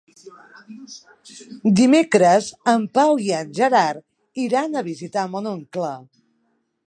Dimecres en Pau i en Gerard iran a visitar mon oncle.